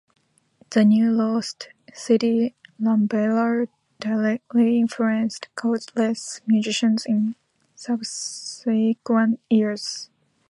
The New Lost City Ramblers directly influenced countless musicians in subsequent years.